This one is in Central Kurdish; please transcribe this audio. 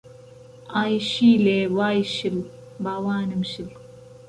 ئایشیلێ وای شل، باوانم شل